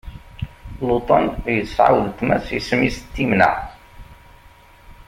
Luṭan yesɛa weltma-s isem-is Timnaɛ.